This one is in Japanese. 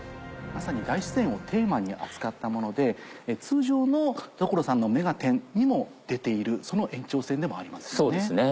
まさに大自然をテーマに扱ったもので通常の『所さんの目がテン！』にも出ているその延長線でもありますよね。